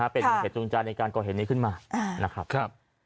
เป็นเหตุจริงในการก่อเหตุนี้ขึ้นมา